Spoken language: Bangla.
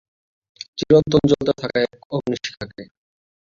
চিরন্তন জ্বলতে থাকা এক অগ্নিশিখাকে।